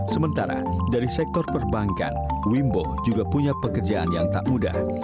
sementara dari sektor perbankan wimbo juga punya pekerjaan yang tak mudah